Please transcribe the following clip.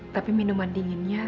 tapi minuman dinginnya